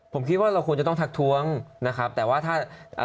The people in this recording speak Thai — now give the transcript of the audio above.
ผมคิดว่าเราควรจะต้องทักท้วงนะครับแต่ว่าถ้าเอ่อ